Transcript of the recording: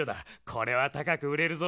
これはたかくうれるぞ。